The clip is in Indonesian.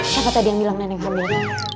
siapa tadi yang bilang nenek hamil